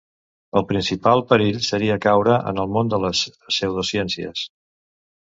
El principal perill seria caure en el món de les pseudociències.